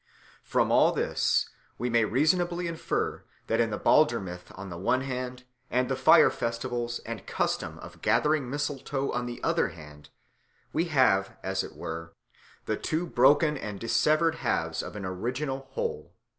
From all this we may reasonably infer that in the Balder myth on the one hand, and the fire festivals and custom of gathering mistletoe on the other hand, we have, as it were, the two broken and dissevered halves of an original whole.